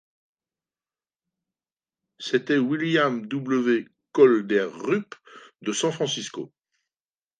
C’était William W. Kolderup, de San-Francisco.